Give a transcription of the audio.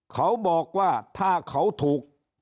เขาบอกว่าถ้าเขาถูก